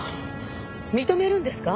認めるんですか？